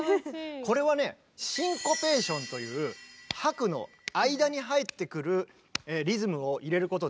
これはねシンコペーションという拍の間に入ってくるリズムを入れることで。